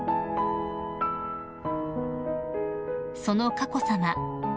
［その佳子さま